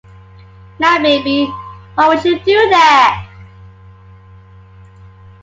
Now, baby, why would you do that?